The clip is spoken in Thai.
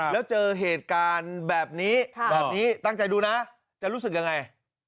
แล้วเจอเหตุการณ์แบบนี้ตั้งใจดูนะจะรู้สึกอย่างไร